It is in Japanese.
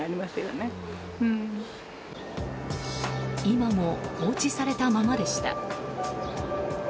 今も放置されたままでした。